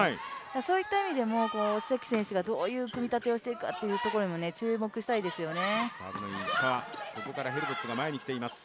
そういった意味でも関選手がどういう組み立てをしていくかにも注目したいですよね。